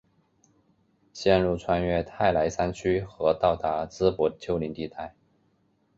线路穿越泰莱山区和到达淄博丘陵地带。